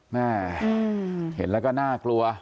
แม่เห็นแล้วก็น่ากลัว